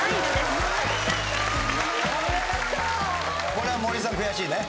これは森さん悔しいね。